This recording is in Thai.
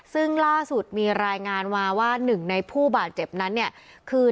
ซึ่งล่าสุดมีรายงานมาว่าหนึ่งในผู้บาดเจ็บนั้นเนี่ยคือ